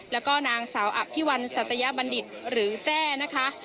แล้วก็นางสาวอภิวัลสัตยบัณฑิตหรือแจ้นะคะ